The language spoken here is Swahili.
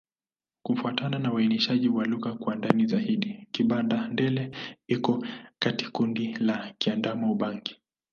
Kufuatana na uainishaji wa lugha kwa ndani zaidi, Kibanda-Ndele iko katika kundi la Kiadamawa-Ubangi.